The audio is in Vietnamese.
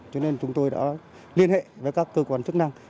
cho nên chúng tôi đã liên hệ với các cơ quan chức năng